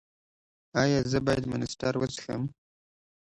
ایا زه باید مانسټر وڅښم؟